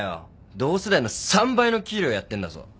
同世代の３倍の給料やってんだぞ。